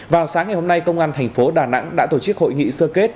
vào sáng ngày hôm nay công an thành phố đà nẵng đã tổ chức hội nghị sơ kết